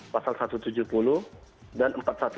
pasal satu ratus tujuh puluh dan empat ratus dua belas